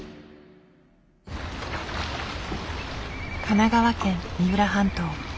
神奈川県三浦半島。